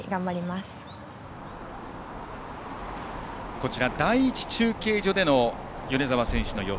こちら第１中継所での米澤選手の様子。